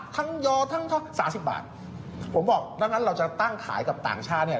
ทั้งยอทั้งทั้งสามสิบบาทผมบอกด้านด้านเราจะตั้งขายกับต่างชาติเนี้ย